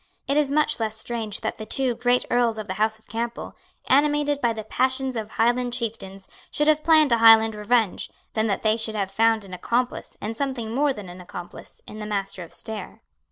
It is much less strange that the two great Earls of the house of Campbell, animated by the passions of Highland chieftains, should have planned a Highland revenge, than that they should have found an accomplice, and something more than an accomplice, in the Master of Stair.